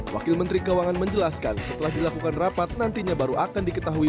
wakil menteri keuangan menjelaskan setelah dilakukan rapat nantinya baru akan diketahui